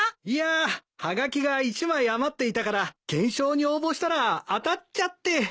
いやはがきが１枚余っていたから懸賞に応募したら当たっちゃって。